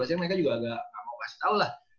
maksudnya mereka juga gak mau kasih tau lah